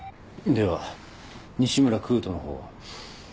では西村玖翔のほうは？